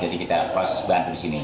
jadi kita kos bantu di sini